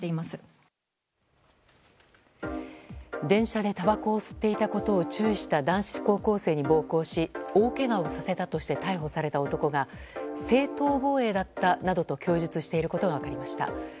電車でたばこを吸っていたことを注意した男子高校生に暴行し大けがをさせたとして逮捕された男が正当防衛だったなどと供述していることが分かりました。